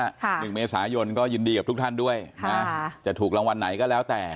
หนึ่งเมษายนก็ยินดีกับทุกท่านด้วยค่ะจะถูกรางวัลไหนก็แล้วแต่